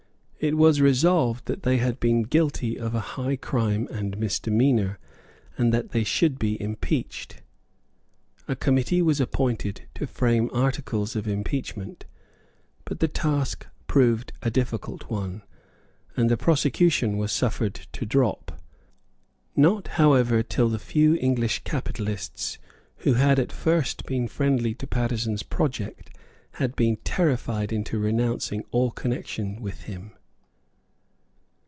It was resolved that they had been guilty of a high crime and misdemeanour, and that they should be impeached. A committee was appointed to frame articles of impeachment; but the task proved a difficult one; and the prosecution was suffered to drop, not however till the few English capitalists who had at first been friendly to Paterson's project had been terrified into renouncing all connection with him.